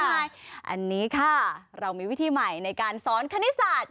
อันนี้ค่ะเรามีวิธีใหม่ในการสอนคณิตศาสตร์